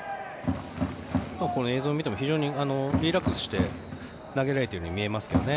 この映像を見ても非常にリラックスして投げられているように見えますけどね。